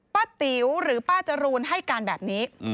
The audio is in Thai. ติ๋วหรือป้าจรูนให้การแบบนี้